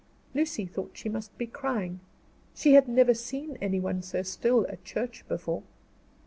Lucy thought she must be crying; she never had seen anyone so still at church before.